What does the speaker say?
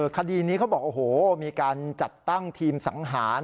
คดีนี้เขาบอกโอ้โหมีการจัดตั้งทีมสังหาร